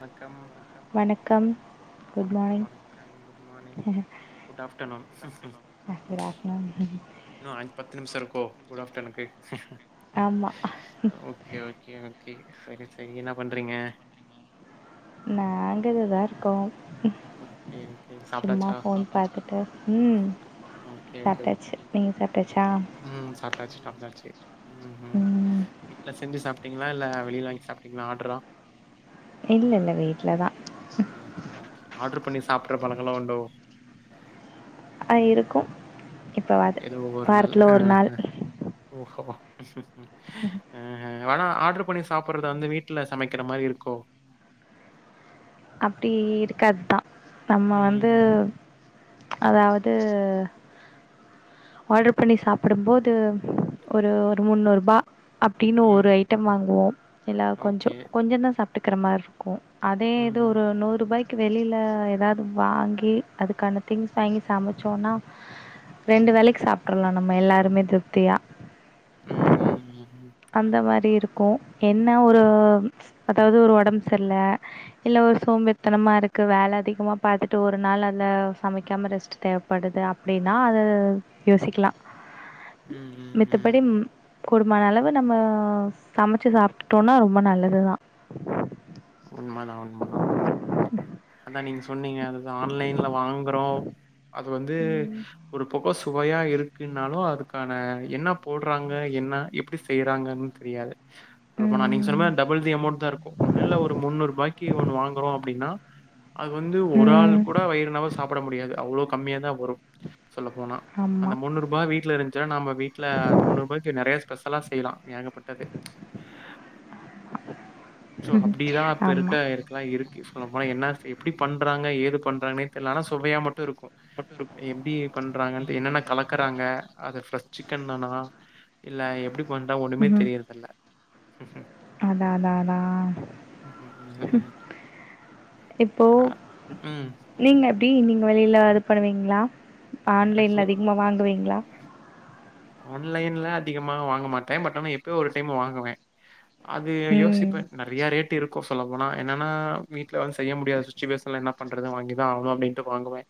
வணக்கம். வணக்கம். குட் வணக்கம் மார்னிங் வணக்கம் குட் மானிங் குட் ஆஃப்டநூன். ம்‌ குடாஃப்டநூன். [unintelligible] இன்னு அஞ் பத்து நிமிஷ்ஷொ ருக்கோ குடாஃப்டன்க்கு. ஆமா ஓகே ஓகே ஓகே சரி சரி என்ன பண்றீங்க நாங்க இங்கதா ருக்கோ ஓகே ஓகே சும்மா சாப்பிட்டாச்சா ஃபோன் பாத்துட்டு ம் சாப்டாச்சு நீங்க சாப்டாச்சா உம் சப்டாச்சு சாப்ட்டாசு உம்ஹு ம் எல்ல செஞ்ச சாப்பிட்டீங்ளா இல்ல வெளில வாங்கி சாப்ட்டீங்ளா ஆட்ரா இல் லல வீட்ல தா ஓகே ஓகே ஆட்ரு பண்ணி சாப்புற பழங்கெல்லா உண்டோ அ இருக்கு எப்ப வாது ஏதோ ஒவ்வொரு நாள் வாரத்துல ஒரு நாள் ஆஹா. ஓஹோ ஆ ஆனா ஆட்ரு பண்ணி சாப்புற்றது வந்து வீட்டுல சமக்கிற மாரி இருக்கோ அப்டி இருக்காது தா நம்ம வந்து ம் அதாவது ஆர்டர் பண்ணி சாப்பிடும்போது ஒரு ஒரு முந்நூர்ப அப்டீனு ஒரு ம் ஐட்டம் வாங்குவோ இல்ல கொஞ்ச ஓகே கொஞ்ச தா சாப்ட்டுக்கிற மார் ருக்கு து ம். ஒரு நூறு ரூபாய்கு வெளியில ஏதாவது வாங்கி அதுக்கான திங்ஸ் வாங்கி சமைச்சோனா ரெண்டு வேலைக்கு சாப்ட்றலா நம்ம எல்லாருமே திருப்தியா ம். ம். ம். அந்த மாரி இருக் கு என்ன ஒரு அதாவது ஒரு ஒடம் சர்ல்ல இல்ல ஒரு சோம்பேரித்தனமா இருக்கு வேல அதிகமா பாத்துட்டு ஒரு நாள் அத சமைக்காம ரெஸ்ட்டு தேவ ப்படுது அப்படின்னா அத யோசிக்லா [inaudible] மித்தப் ம். படி குடும்மான அளவு நம்ம சமைச்சி சாப்ட்டுட்டோனா ரொம்ப நல்லது தா உண்மதா உண்மதா அதா நீங்க சொன்னீங்க அதுதா ஆன்லைன்ல வாங்குறோ அது வந்து ம் ஒரு பக்கோ சுவையா இருக்குன்னாலு அதுக்கான என்ன போடுறாங்க என்ன எப்படி செய்றாங்கன்னு தெரியாது சொல்லபோனா நீங்க சொன்ன ம் மாரி டபுள் தி அமௌண்ட் தா இருக்கு ஒன்னுல்ல ஒ ரு முன்னூரூபாய்க்கு ஒன்னு வாங்கறோ அப்டின்னா அது வந்து ஒரு ஆள் ம் கூட வயிறுனவா சாப்பட முடியாது அவ்ளோ கம்மியா தா வரு சொல்ல போனா ஆமா அந்த முன்னூரூபா வீட்ல இருன்ச்ச நாம வீ ட்ல அந்த முன்னூரூபாய்க்கு நறைய ஸ்பெஷலா செய்யலா ஏகப்பட்டது இப்டி தா அப்ப இருக்க ஆமா இரு க்குலா இருக்கு சொல்ல போ என்னா செய் எப்டி பண்ணறாங்க ஏது பண்றாங்கன்னு தெர்ல ஆனா சுவையா மட்டு இருக்கு எப்டி பண்றாங்கன்ட்டு என்னென்ன கலக்கறாங்க அது ஃப்ரெஷ் சிக்கன் தானா இல்ல எப்டி பண்றா ஒண்ணுமே ம் தெரியர்தில்ல அதா அதா அதா ம் ம் ம் இப்போ அ ம் நீங்க எப்டி நீங்க வெளியில இது பண்ணுவீங்களா ஆன்லைன்ல ஆக்சுவல் அதிகமா வாங்குவீங்களா ஆன்லைன்ல அதிகமா வாங்க மாட்டே பட் ஆனா எப்பயோ ஒரு டைம் வாங்குவ அது ம் யோசிப்ப நறையா ரேட் டிருக்கு சொல்ல போனா என்னன்னா வீட்ல வந்து செய்ய முடியாத சுச்சுவேஷன்ல என்னா பண்றது வாங்கிதா ஆவணு அப்டின்ட்டு வாங்குவே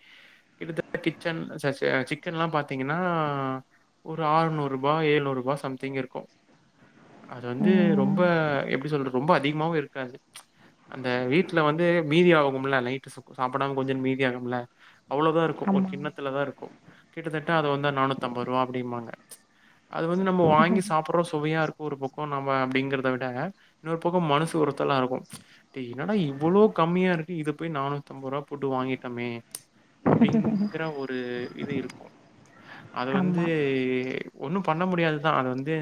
கிட்டத்த கிச்சன் ச்ச்ச சிக்கன்ல்லா பாத்தீங்கன்னா ஒரு ஆறுநூறு ரூபா ஏழுநூறு ரூபா சம்திங் இருக்கு அது வந்து ரொம்ப ம் எப்படி சொல்றது ரொம்ப அதிகமாவு இருக்காது அந்த வீட்ல வந்து மீதி ஆகுமுல நைட்டு ச சாப்படாம கொஞ்சோ மீதி ஆகும்ல அவ்ளோதா இருக்கு ஒரு ஆமா கிண்ணத்துலதா இருக்கு கிட்டத்தட்ட அது வந்து நானூத்தம்பது ரூவா அப்டிம்பாங்க அது வந்து நம்ம வாங்கி சாப்பட்றோ சுவையா இரு க்கு ஒரு பக்கோ நம்ம அப்டிங்கிறத விட இன்னொரு பக்கம் மனுசு உருத்தல்லா இருக்கு டே என்னடா இவ்ளோ கம்மியா இருக்கு இத போய் நானூத்தம்பது ரூவா போட்டு வாங்கிட்டோமே அப்டிங்கிற ஒரு இது இருக்கு அத வந் ஆமா து ஒண்ணும் பண்ண முடியாதுதா அத வந்து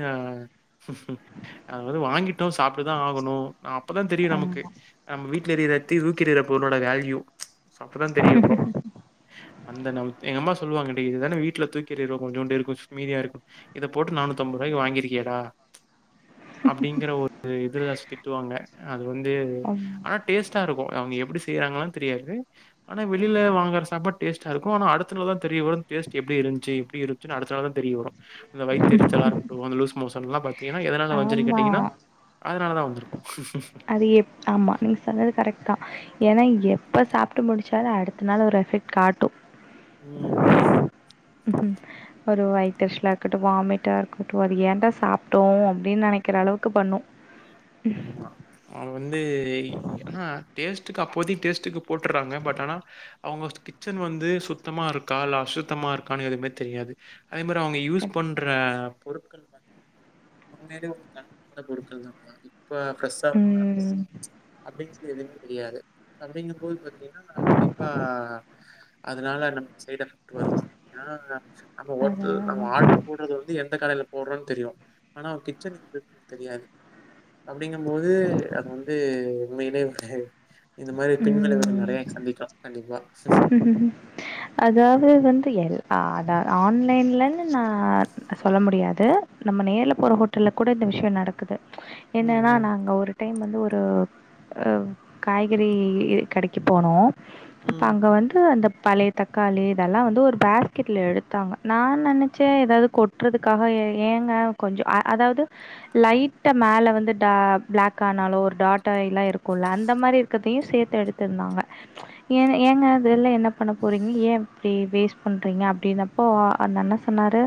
அதாவ்து வாங்கிட்டோ சாப்ட்டுதா ஆகணு அ அப்பதா தெரியு நமக்கு ஆமா நம்ம வீட்ல எரியுற டியூப் தூக்கி எரியுற பொருளோட வேல்யூ அப்பதா தெரியு ப்ரோ அந்த நவ்த் எங்க அம்மா சொல்லுவாங்க டே இதுதான வீட்ல தூக்கி எறியுறோ கொஞ்சோண்டு இருக்கு ஸ்மீதியா இருக்கு இத போட்டு நானூத்தம்பது ரூவாக்கு வாங்கிருக்கியேடா அப்டிங்கற ஒரு இதிரஸ் திட்டுவாங்க அது வந்து ஆமா ஆனா டேஸ்ட்டா இருக்கு அவுங்க எப்டி செய்யறாங்களன் தெரியாது ஆனா வெளில வாங்கற சாப்பாடு டேஸ்டா இருக்கு ஆனா அடுத்த நாள் தா தெரிய வரு டேஸ்ட்டு எப்டி இருந்துச்சு எப்டி இருன்ச்சுனு அடுத்த நாள் தா தெரிய வரு அந்த வயிதெரிச்சலாருக்கட்டு அந்த லூஸ் மோஷன்லா பாத்தீங்கன்னா எதனா வஞ்செரி ஆமா கேட்டீங்கன்னா அதனால தா வந்திருக்கு அது எப் ஆமா நீங்க சொன்னது கரெக்ட் தா ஏனா எப்ப சாப்ட்டு முடிச்சாலு அடுத்த நாள் ஒரு எஃபெக்ட் காட் ம் ம் ம் ஒரு வயித்தெரிச்சலா இருக்கட்டு வாமிட்டா இருக்கட்டு அது ஏன்டா சாப்ட்டோ அப்டின் நெனைக்கிற அளவுக்கு பண்ணு ஆமா அவ வந்து ஏனா டேஸ்ட்டுக்கு அப்போதைக் டேஸ்ட்டுக் போட்டுறாங்க பட் ஆனா அவுங்க கிச்சன் வந்து சுத்தமா இருக்கா இல்ல அசுத்தமா இருக்கான்னு எதுமே தெரியாது அதே மாரி அவ்ங்க யூஸ் கண்டிப்பா. பண்ற பொருட்கள் பாத்தீங்கனா உண்மயிலே ஒரு தரமான பொருட்கள் தானா இப்ப ஃப்ரெஷ்ஷா ம். [unintelligible] அப்டிங்கிறது எதுமே தெரியாது அப்டிங்க போது பாத்தீங்கன்னா கண்டிப்பா அதனால நமக்கு சைட் எஃபக் ட் வருதாம் ஏ நம்ம அது ஹோட்டல் நம்ம அழகா ஆடர் போட்றது வந்து எந்த கடையில போட்றோன் தெரியும் ஆனா அவ்ங் கிச்சன் வந்து தெரியாது அப்டிங்கும் போது அது வந்து உண்மையிலே ஒரு இந்த மாரி பின் விளைவுகள் நெறைய ம். சந்திக்லா கண்டிப்பா அதாவது வந்து எல் அத ஆன்லைன்லன்னு நா சொல்ல முடியாது நம்ம நேர்ல போற ஹோட்டல்ல கூட இந்த விஷயோ நடக்குது ம், என்னன்னா ம், நாங்க ஒரு டைம் வந்து ஒரு காய்கறி கடைக்கு போனோ ம், அங்க வந்து அந்த பழைய தக்காளி இதெல்லா வந்து ஒரு ஃபேஸ்கெட்ல எடுத்தாங்க நா நெனச்சே ஏதாவது கொட்டுறதுக்காக ஏ ஏங்க கொஞ்சோ அ அதாவது லைட்டா மேல வந்து டா பிளாக் ஆனாலு ஒரு டாட்டாயியெல்லா இருக்குல்ல அந்த மாரி இருக்கதையும் சேத்து எடுத்திருந்தாங்க ஏங்க ஏங்க இதில்லா என்ன பண்ண போறீங்க ஏ இப்டி வேஸ்ட் பண்றீங்க அப்டினப்போ அந்த அண்ண சொன்னாரு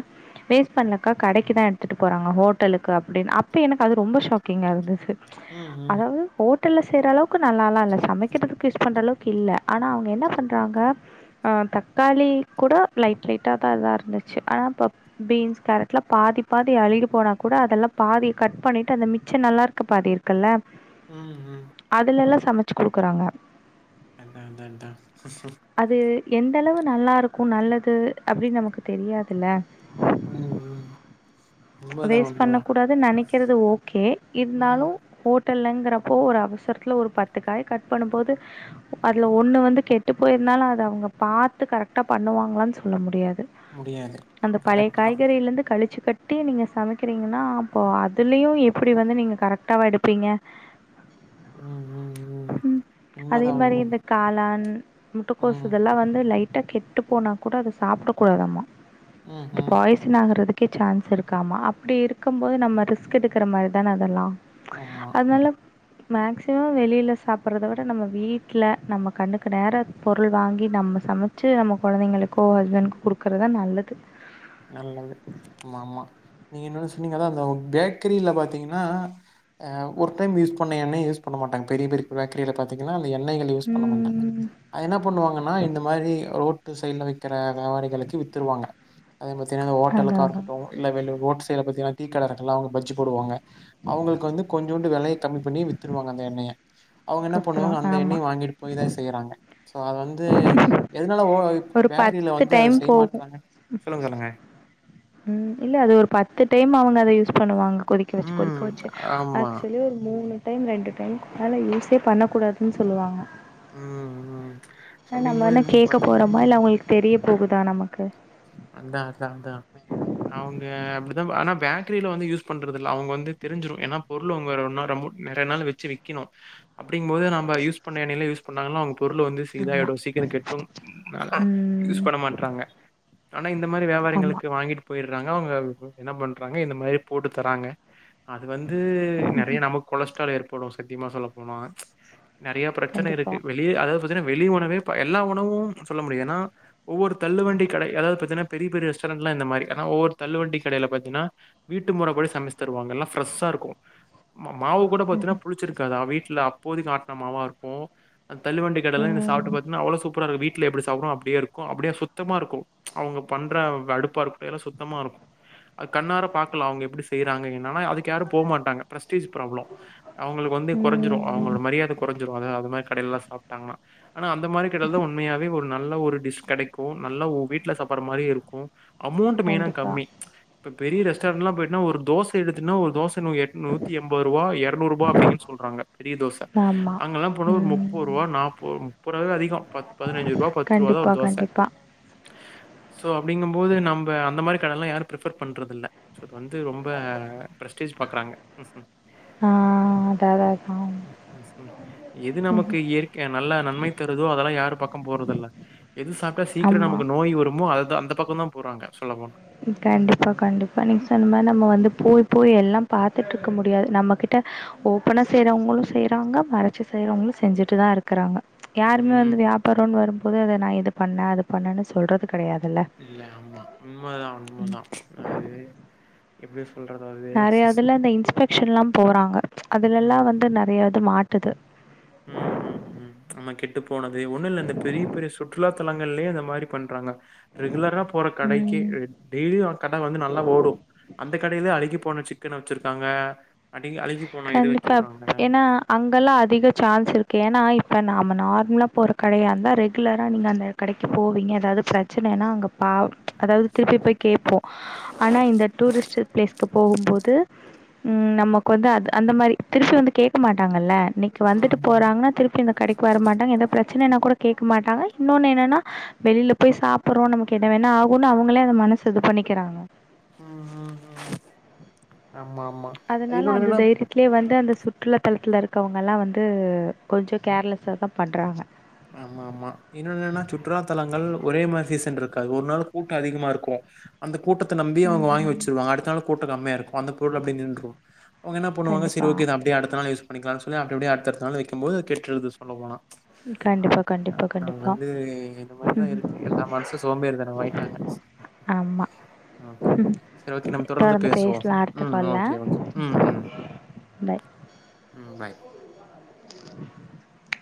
வேஸ்ட் பண்ணலக்கா கடைக்குதா எடுத்துட்டு போறாங்க ஹோட்டலுக்கு அப்டின்னு அப்ப எனக்கு அது ரொம்ப ஷாக்கிங்கா இருந்தது ம், ம், அதாவது ஹோட்டல்ல செய்ற அளவுக்கு நல்லால்லா இல்ல சமைக்கிறதுக்கு யூஸ் பண்ற அளவுக்கு இல்ல ஆனா அவுங்க என்ன பண்றாங்க ஆ தக்காளி கூட லைட் லைட்டா தா இதா இருந்துச்சு ஆனா ப்ப பீன்ஸ் கேரட்லா பாதி பாதி அழுகி போனா கூட அதெல்லா பாதி கட் பண்ணிட்டு அந்த மிச்சம் நல்லா இருக்கு பாதி இருக் கல்ல ம் ம். அதுலெல்லா சமச்சு குடுக்குறாங்க அத்தா அத்தா அத்தா அது எந்த அளவு நல்லாருக்கு நல்லது அப்டின்னு நமக்கு தெரியாதில்ல ம் ம் உண்மதான், வேஸ்ட் உண்மதான். பண்ணக்கூடாது நெனைக்கிறது ஓகே ம். இருந்தாலு ஹோட் டல்ங்கிறப்போ ஒரு அவசரத்துல ஒரு பத்து காய் கட் பண்ணும்போது அதுல ஒன்னு வந்து கெட்டு போயிருந்தாலு அத அவங்க பாத்து கரெக்டா பண்ணுவாங்களான்னு சொல்ல முடியாது முடியாது. அந்த பழைய கரெக்ட்டு தான். காய்கறிலந்து கழிச்சு கட்டு ட்டி நீங்க சமைக்கிறீங்கன்னா அப்போ அதுலயு எப்டி வந்து நீங்க கரெக்டா வ எடுப்பீங்க ம், ம், ம் அதே உண்மதான், மாரி இந்த உண்மதான். காளான் முட்டக்கோசு ம். இதெல்லா வந்து லைட்டா கெட்டு போனா கூட அதை சாப்ட கூடாதாம ம் அது ம் பாய்ஸ் சின் ஆகறதுக்கே சான்ஸ் இருக்காமா அப்டி இருக்கும்போது நம்ம ரிஸ்க் எடுக்கிற மாரி தான அதெல்லா ஆமா அதனால மேக்சிமம் வெளில சாப்ட்றத விட நம்ம வீட்ல நம்ம கண்ணுக்கு நேரா பொருள் வாங்கி நம்ம சமச்சு நம்ம கொழந்தைங்களுக்கோ ஹஸ்பண்டுக்கு குடுக்குறது தா நல்லது நல்லது ஆமா ஆமா நீங்க இன்னோனு சொன்னீங்க அதா அந்த பேக்கரில பாத்தீங்கன்னா அ ஒரு டைம் யூஸ் பண்ண எண்ணைய யூஸ் பண்ண மாட்டாங்க பெரிய பெரிய பேக்கரில பாத்தீங்கன்னா அந்த எண்ணெய யூஸ் பண்ண மாட்டாங்க ம். அ என்ன பண்ணுவாங்கன்னா இந்த மாரி ரோட் ட்டு சைடில வக்கிற வியாபாரிகளுக்கு வித்துருவாங்க அதே பத்தின இந்த ஓட்டலுக்கா அதான் அதான். இருக்கட்டு இல்ல வெளி ஓட்சைட்ல பாத்தீங்கன்னா டீ கடை இருக்குல்ல அவுங்க பஜ்ஜி போடுவாங்க அவுங்களுக்கு வந்து கொஞ்சோண்டு விலய கம்மி பண்ணி வித்துருவாங்க அந்த எண்ணெய அவுங்க என்ன பண்ணுவாங்க குடுத்துருவோம். அந்த ஆமா. எண்ணெய வாங்கிட்டு போய் தா செய்யறாங்க சோ அது வந்து எதனால ஓ ஒரு பேக்கரில வந்து அத டைம் போகும். செய்யமாட்டாங்க சொல்லுங்க சொல்லுங்க ம் இல்ல அது ஒரு பத்து டைம் அவுங்க அத யூஸ் பண்ணுவாங்க கொதிக் க வச்சு கொதிக்க ம் வச்சு ஆமா ஆக்சுவலி ஒரு மூணு டைம் ரெண்டு டைம் அதனால யூஸே பண்ணக்கூடாதுன்னு சொல்லுவாங்க ம் ம் அ நம்ம அப்டிங்கும்போது என்ன இவங்க கேக்க பாத்துட்டு போறோமா இல்ல உங்களுக்கு தெரிய போகுதா நமக்கு அதா அதா அதா அவுங்க அப்படிதா ஆனா பேக்கரில வந்து யூஸ் பண்றதில்ல அவுங்க வந்து தெரிஞ்சிடு ஏனா பொருள் உங்க ஒனனா ரொம்ப நெறய நாள் வச்சு விக்கணு அப்டிங்கும் போது நம்ப யூஸ் பண்ண எண்ணைலயே யூஸ் பண்ணாங்கனா அவுங்க பொருள் வந்து ஆமா. இதாடுயு சீக்கிரோ கெட்ரும் ம். பண்ண மாட்றாங்க ஆனா இந்த மாதிரி ஆமா. வியாபாரிங்களுக்கு வாங்கிட்டு போயிறாங்க அவுங்க என்ன பண்றாங்க இந்த மாதிரி போட்டு தராங்க அது வந்து நெறைய நமக்கு கொலஸ்ட்ரால் ஏற்படும் சத்தியமா சொல்ல போனா நெறைய பிரச்சன கண்டிப்பா. இருக்கு லி அதாது பாத்தீனா வெளி உணவே ப எல்லா உணவு சொல்ல முடியாது ஏனா ஒவ்வொரு தள்ளுவண்டி கடை அதாவது பாத்தீனா பெரிய பெரிய ரெஸ்டாரண்ட் எல்லா இந்த மாரி ஆ ஒவ்வோரு தள்ளு வண்டி கடைல பாத்தீனா வீட்டு முற படி சமைச்சு தருவாங்க எல்லா ஃப்ரெஷ்ஷா இருக்கு மாவு கூட பாத்தீனா ம். புளிச்சிருக்காதா வீட்ல அப்போதைக்கு ஆட்ன மாவா இருக்கு தள்ள வண்டி கடைல்லா நீங்க சாப்ட்டு ம். பாத்தீங்கன்னா அவ்ளோ சூப்பரா இருக்கு வீட்ல எப்டி சாப்றோ அப்டியே இருக்கு அப்டியே சுத்தமா இருக்கு அவுங்க பண்ற வ அடுப்பாருக் எல்லா சுத்தமா இருக்கு கண்ணார பாக்கலா அவுங்க எப்டி செய்றாங்க என்னனா அதுக் க்கு யாரு போ மாட்டாங்க பிரஸ்டீஜ் ப்ராப்ளோ அவுங்களுக்கு வந்து கொறஞ்சிடு ம். அவுங்களோட மரியாத கொறஞ்சுரு அத அது மாரி கடைல்லலா சாப்டாங்கன்னா ஆனா அந்த மாரி கடைல தா உண்மையாவே ஒரு நல்ல ஒரு டிஷ் கெடைக் கு நல்ல ஓ வீட்ல சாப்பாட மாரி இருக்கு அமௌண்ட் மெயினா கண்டிப்பா. கம்மி இப்ப பெரிய ரெஸ்டாரண்ட்லா போயிட்டினா ஒரு தோசை எடுத்துனா ஒரு தோசை எட் நூத்தி எம்பது ரூபா இரநூறுபா அப்டிங்கின்னு சொல்றாங்க பெரிய தோசை ஆமா. அங்கெல்லா போனா ஒரு ம். முப்பது ரூபா நாப்பது முப்பது ரூபாவே அதிகோ ப பதினஞ்சு ரூபா பத்து ரூபா தா கண்டிப்பா, ஒரு தோச கண்டிப்பா. ஸோ அப்டிங்கம்போது நம்ப அந்த மாரி கடலா யாரு பிர்ப்பேர் பண்ணுறதில்ல ஸோ வந்து ரொம்ப பிரஸ்டீஜ் பாக்குறாங்க ஆ அதான் அதான் அதான். எது நமக்கு ம். இயற் கையா நல்லா நன்மை தருதோ அதெல்லா யாரு பக்கம் போறது இல்ல எது சாப்ட்டா சீக்கிர நமக் ஆமா. நோய் வரும்மோ அது தா அந்த பக்கம் தா போறாங்க சொல்ல போனா கண்டிப்பா கண்டிப்பா நீங்க சொன்ன மாரி நம்ம வந்து போய் போய் எல்லா பாத்துட்டு இருக்க முடியாது நம்ம கிட்ட ஓப்பனா செய்றவுங்களு செய்றாங்க மறச்சு செய்றவங்களு செஞ்சுட்டுதா இருக் க்கறாங்க யாருமே ம். வந்து வியாபாரோனு வரும் போது அத நா இது பண்ணே அது பண்ணேனு சொல்றது கெடையாதுல்ல இல்ல ஆமா உண்மதா உண்மதா அது எப்டி சொல்றது‌ அது நறைய இதுல இந்த இன்ஸ்பெக்ஷன்லா போறாங்க அதுலல்லா ம் வந்து நறையா இது மாட்டுது ம் ம் ம் ஆமா கெட்டு போனது ம் ஒண்ணு இல்ல இந்த பெரிய பெரிய சுற்றுலா தலங்கள்லே இந்த மாரி பண்றாங்க ரெகுலரா போற கடைக்கே ம். டெய்லி ஆ கட வந்து நல்லா ஓடு அந்த கடையில அழுகி போன சிக்கன் வச்சிருக்காங்க அடிகி அழுகி போன இது கண்டிப்பாப் வச்சிருக்காங்க ஏனா அங்கல்லா அதிக சான்ஸ் இருக்கு ஏனா இப்ப நாம நார்மலா போற கடையா இருந்தா ரெகுலரா நீங்க அந்த கடைக்கு போவீங்க ஏதாவது ப்ரச்சனனா அங்க பாவ் அதாவ்து திருப்பி போய் கேப்போ ஆனா இந்த டூரிஸ்ட்டு ப்ளேஸ்க்கு போகும்போது ம் நமக்கு வந்து அது அந்த மாரி திருப்பி வந்து கேக்க மாட்டாங்கல்ல நி வந்துட்டு ம் ம் போறாங்கனா திருப்பி இந்த கடைக்கு வரமாட்டாங்க எந்த ப்ரச்சனைன்னா கூட கேக்க மாட்டாங்க இன்னொன்னு என்னன்னா வெளில போய் சாப்புறோ நமக்கு என்ன வேணா ஆகுன்னு அவங்களே அத மனசு இது பண்ணிக்கிறாங்க ம் ம் ம் ஆமா ஆமா அதனால இன்னொன்னு அந்த என்னன்னா தைரியத்திலே வந்து அந்த சுற்றுலாத்தலத்துல இருக்கவங்கல்லா வந்து கொஞ்சோ ம் கேர்லெஸ்ஸா தா பண்றாங்க ஆமா ஆமா இன்னோன்னு என்னன்னா சுற்றுலாத்தலங்கள் ஒரே மா சீசன் இருக்காது ஒரு நாள் கூட்டோ அதிகமா இருக்கு அந்த கூட்டத்த நம்பி அவங்க வாங்கி ம் வச்சிருவாங்க அடுத்த நாளு கூட்டோ கம்மியா இருக்கு அந்த பொருள் அப்டி நின்று அவங்க என்ன பண்ணுவாங்க செரி கண்டிப்பா ஓக்கே இத அப்டியே அடுத்த நாள் யூஸ் பண்ணிக்கலானு சொல்லி அப்டி அப்டி அடுத்த அடுத்த நாள் வைக்கும் போது அது கெட்ருது சொல்ல போனா கண்டிப்பா கண்டிப்பா ஆ கண்டிப்பா வந்து இந்த மாரிதா ம் இருக்கு எல்லா மனசு சோம்பேறி தனமாயிட்டாங்க ஆமா ஓக்கே ம் ஓக்கே செரி ஓக்கே நம்ம தொடர்ந்து பேசுவோ பேசலா அடுத்த ம் கால்ல ஓக்கே ஓக்கே ம் ம் பாய் ம் பாய்